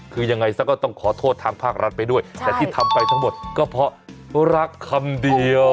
คือยังไงซะก็ต้องขอโทษทางภาครัฐไปด้วยแต่ที่ทำไปทั้งหมดก็เพราะรักคำเดียว